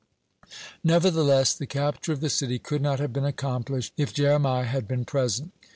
(27) Nevertheless, the capture of the city could not have been accomplished if Jeremiah had been present.